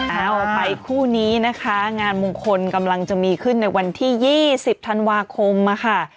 เอาไปคู่นี้นะคะงานมงคลกำลังจะมีขึ้นในวันที่๒๐ธันวาคมค่ะ